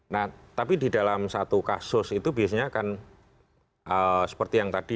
nah tapi di dalam satu kasus itu biasanya akan seperti yang tadi